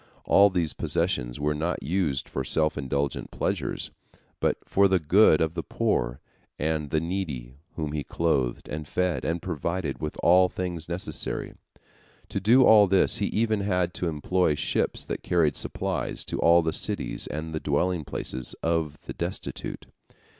All these possessions were not used for self indulgent pleasures, but for the good of the poor and the needy, whom he clothed, and fed, and provided with all things necessary. To do all this, he even had to employ ships that carried supplies to all the cities and the dwelling places of the destitute.